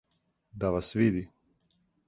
Да вас види.